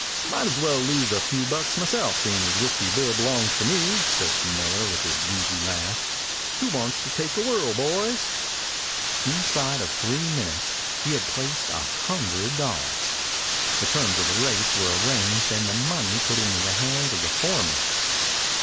"Might as well lose a few bucks myself, seeing as Whiskey Bill belongs to me," said Miller with his wheezy laugh. "Who wants to take a whirl, boys?" Inside of three minutes he had placed a hundred dollars. The terms of the race were arranged and the money put in the hands of the foreman.